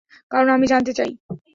কারণ, আমি জানতে চাই।